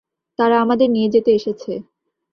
তারা আমাদের নিয়ে যেতে এসেছে।